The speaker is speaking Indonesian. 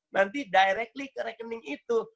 nanti directly ke rekening itu